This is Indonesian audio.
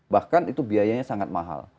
bahkan itu biayanya sangat mahal